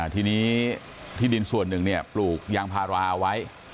ทีนี้ที่ดินส่วนหนึ่งปลูกยางพาราไว้